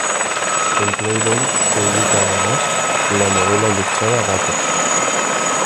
En ""Playboy"" publica, además, la novela ilustrada "Gato".